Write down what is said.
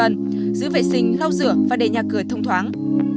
giữ vệ sinh lau rửa và để nhà cửa thông thoáng